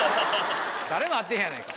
誰も合ってへんやないか。